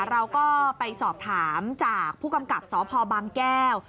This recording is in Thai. เราก็ไปสอบถามจากผู้กำกับสพบางแก้ว